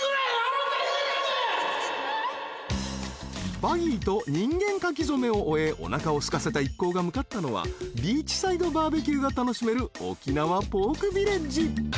［バギーと人間書き初めを終えおなかをすかせた一行が向かったのはビーチサイドバーベキューが楽しめるおきなわポークビレッジ］